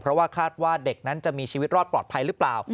เพราะว่าคาดว่าเด็กนั้นจะมีชีวิตรอดปลอดภัยหรือเปล่า